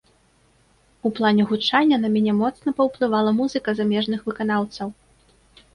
У плане гучання на мяне моцна паўплывала музыка замежных выканаўцаў.